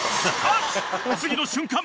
［次の瞬間